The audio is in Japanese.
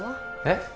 えっ？